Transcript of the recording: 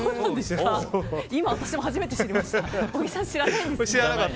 今、初めて知りました。